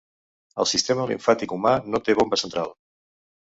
El sistema limfàtic humà no té bomba central.